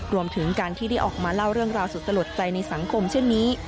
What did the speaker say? รวมถึงการที่ได้ออกมาเล่าเรื่องราวสุดสลดใจในสังคมเช่นนี้